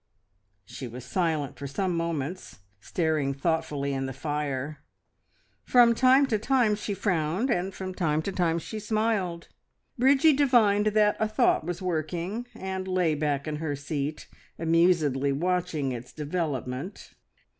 She was silent for some moments, staring thoughtfully in the fire. From time to time she frowned, and from time to time she smiled; Bridgie divined that a thought was working, and lay back in her seat, amusedly watching its development.